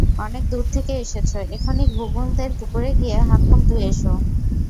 অনেক দূর থেকে এসেছ, এখনই ঘুঘুংদের পুকুরে গিয়ে হাতমুখ ধুয়ে এসো।